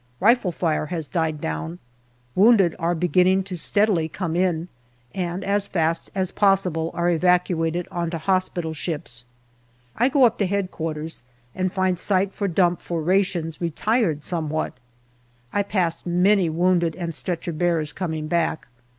Rifle fire has died down. Wounded are beginning steadily to come in, and as fast as possible are evacuated on to hospital ships. I go up to Headquarters and find site for dump for rations retired somewhat. I passed many wounded and stretcher bearers coming back.